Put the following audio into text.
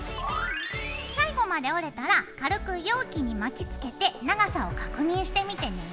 最後まで折れたら軽く容器に巻きつけて長さを確認してみてね。